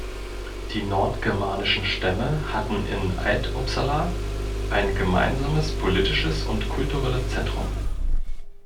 Die nordgermanischen Stämme hatten in Alt-Uppsala ein gemeinsames politisches und kulturelles Zentrum.